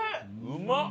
うまっ！